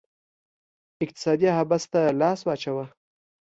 اقتصادي حبس ته لاس واچاوه